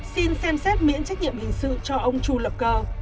xin xem xét miễn trách nhiệm hình sự cho ông chu lập cờ